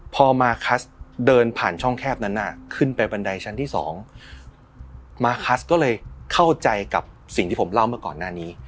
พอมาคัสเดินผ่านช่องแคบนั้นขึ้นไปบันไดชั้นที่สองมาคัสก็เลยเข้าใจกับสิ่งที่ผมเล่าเมื่อก่อนหน้านี้